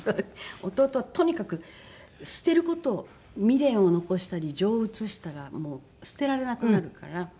弟はとにかく捨てる事を未練を残したり情を移したらもう捨てられなくなるから。